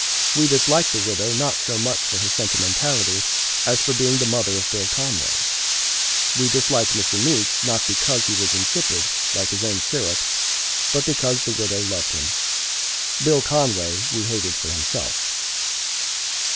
We disliked the widow not so much for her sentimentality as for being the mother of Bill Conway; we disliked Mr. Meeks, not because he was insipid, like his own syrups, but because the widow loved him. Bill Conway we hated for himself.